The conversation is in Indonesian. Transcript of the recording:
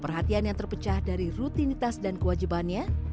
perhatian yang terpecah dari rutinitas dan kewajibannya